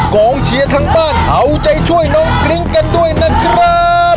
กองเชียร์ทั้งบ้านเอาใจช่วยน้องกริ้งกันด้วยนะครับ